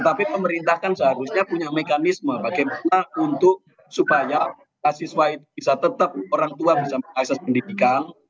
tapi pemerintah kan seharusnya punya mekanisme bagaimana untuk supaya siswa itu bisa tetap orang tua bisa mengakses pendidikan